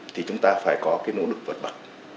thì chúng ta phải có cái nỗ lực vượt bậc